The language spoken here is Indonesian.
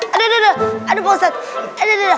aduh aduh aduh pak ustadz